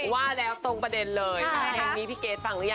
กับเพลงที่มีชื่อว่ากี่รอบก็ได้